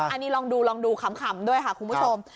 อันนี้ลองดูลองดูขำด้วยค่ะคุณผู้ชม